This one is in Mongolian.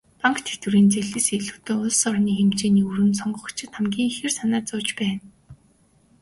Банк, тэтгэврийн зээлээс илүүтэй улс орны хэмжээний өрөнд сонгогчид хамгийн ихээр санаа зовж байна.